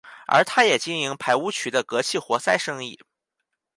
而他也经营排污渠的隔气活塞生意。